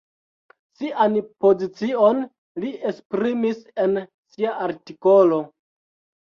Sian pozicion li esprimis en sia artikolo.